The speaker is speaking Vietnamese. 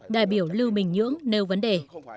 đại biểu lưu bình nhưỡng nêu vấn đề